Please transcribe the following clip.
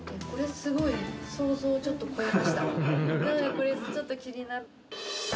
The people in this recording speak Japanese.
これちょっと気になる。